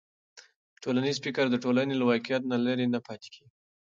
ټولنیز فکر د ټولنې له واقعیت نه لرې نه پاتې کېږي.